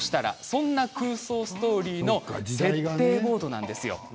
そんな空想ストーリーの設定ボードなんです。